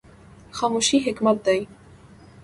خاموشي حکمت دی